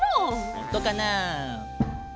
ほんとかな？